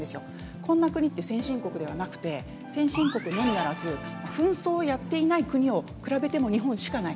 こんな国って、先進国ではなくて、先進国のみならず、紛争やっていない国を比べても、日本しかない。